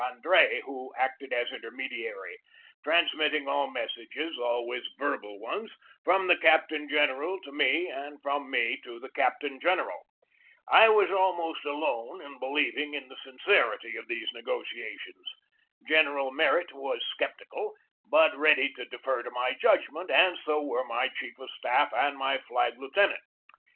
Andre who acted as intermediary, transmitting all messages (al ways verbal ones) from the captain general to me and from me to the captain general. I was almost alone in believing in the sincerity of these negotia tions. General Merritt was sceptical, but ready to defer to my judgment, and so were my chief of staff and my flag lieutenant.